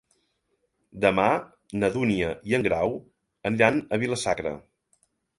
Demà na Dúnia i en Grau aniran a Vila-sacra.